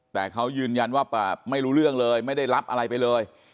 แต่เขายืนยันว่าไม่รู้เรื่องเลยไม่ได้รับอะไรไปเลย